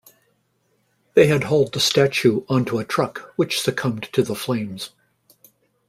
They had hauled the statue onto a truck, which succumbed to the flames.